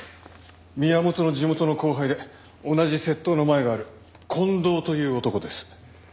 宮本の地元の後輩で同じ窃盗のマエがある近藤という男です。